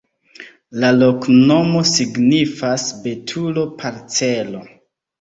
La loknomo signifas: betulo-parcelo.